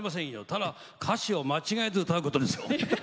ただ、歌詞を間違わずに歌うことですよ。